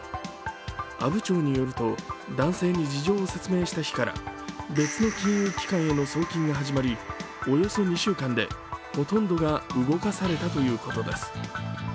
阿武町によると男性に事情を説明した日から別の金融機関への送金が始まり、およそ２週間でほとんどが動かされたということです。